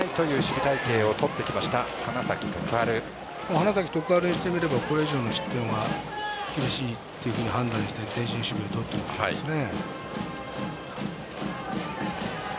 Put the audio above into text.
花咲徳栄にしてみればこれ以上の失点は厳しいということで前進守備をとっているんですね。